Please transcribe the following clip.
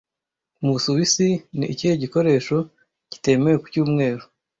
Mu Busuwisi ni ikihe gikoresho kitemewe ku cyumweru